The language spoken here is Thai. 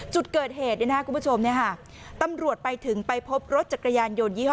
จุดเกิดเหตุในหน้ากลุ่มผู้ชมเนี้ยฮะตำรวจไปถึงไปพบรถจักรยานโยนยี่ห้อ